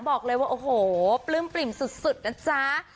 บอกเลยว่าโอ้โหปลื้มปริ่มสุดนะจ๊ะ